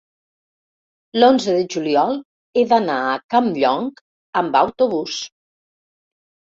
l'onze de juliol he d'anar a Campllong amb autobús.